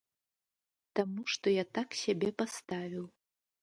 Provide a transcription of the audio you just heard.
Таму што я так сябе паставіў.